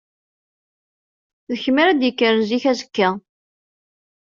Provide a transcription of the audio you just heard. D kemm ara d-yekkren zik azekka.